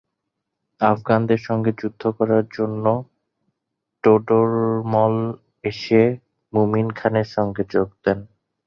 আফগানদের সঙ্গে যুদ্ধ করার জন্য টোডরমল এসে মুনিম খানের সঙ্গে যোগ দেন।